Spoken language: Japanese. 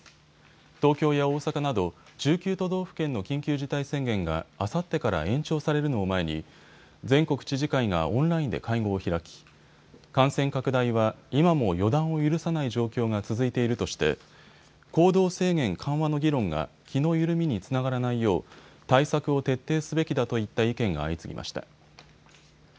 東京や大阪など１９都道府県の緊急事態宣言があさってから延長されるのを前に全国知事会がオンラインで会合を開き、感染拡大は今も予断を許さない状況が続いているとして行動制限緩和の議論が気の緩みにつながらないよう対策を徹底すべきだといった意見が相次ぎました。